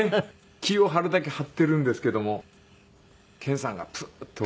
気を張るだけ張っているんですけども健さんがプッと笑って。